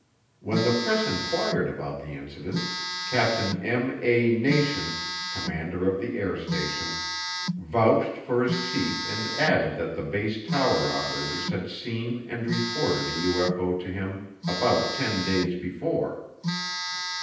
When the press inquired about the incident, Captain M. A. Nation, commander of the air station, vouched for his chief and added that the base tower operators had seen and reported a UFO to him about ten days before.